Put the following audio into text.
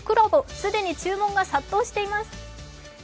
既に注文が殺到しています。